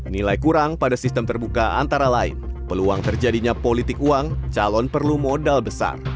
nilai kurang pada sistem terbuka antara lain peluang terjadinya politik uang calon perlu modal besar